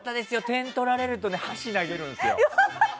点取られると箸投げるんですよ。